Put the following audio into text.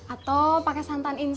atau pakai santan instan aja gimana bu